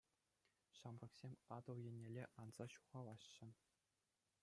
Ҫамрӑксем Атӑл еннелле анса ҫухалаҫҫӗ.